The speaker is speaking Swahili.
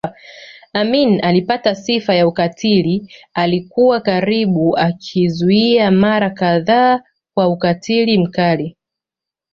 Amin alipata sifa ya ukatili alikuwa karibu akizuia mara kadhaa kwa ukatili mkali